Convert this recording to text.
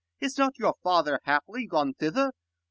is not your father haply Gone thither